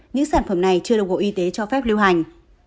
những sản phẩm này chưa được bộ y tế cho phép lưu hành